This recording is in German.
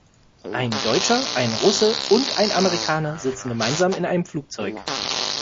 Ein Deutscher, ein Russe und ein Amerikaner sitzen gemeinsam in einem Flugzeug.